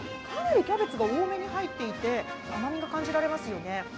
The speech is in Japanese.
かなりきゃべつが多めに入っていて甘みが感じられますよね。